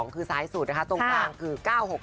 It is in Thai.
คือซ้ายสุดนะคะตรงกลางคือ๙๖